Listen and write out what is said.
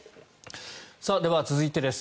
では、続いてです。